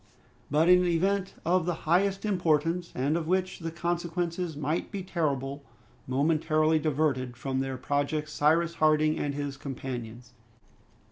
But an event of the highest importance, and of which the consequences might be terrible, momentarily diverted from their projects Cyrus Harding and his companions.